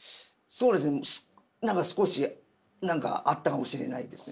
そうですね何か少しあったかもしれないです。